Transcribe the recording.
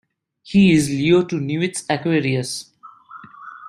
He is Leo to Nuit's Aquarius.